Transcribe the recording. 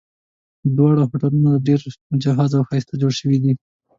دواړه هوټلونه ډېر مجهز او ښایسته جوړ شوي دي.